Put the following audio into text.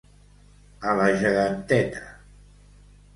A la geganteta.